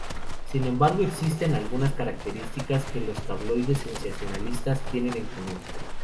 Sin embargo, existen algunas características que los tabloides sensacionalistas tienen en común.